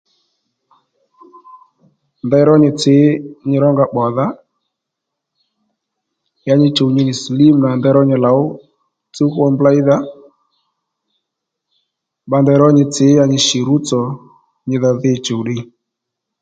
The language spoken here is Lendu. Ndeyró nyi tsǐ nyi rónga pbòdha ya nyi chù nyi nì silímù nà ndeyró nyi lǒw tsúw hwo mbléydha bba ndeyró nyi tsǐ ya nyi shì rútsò nyi dho dhi chùw ddiy.